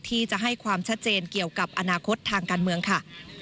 ที่จะให้ความชัดเจนเกี่ยวกับอนาคตทางการเมืองค่ะ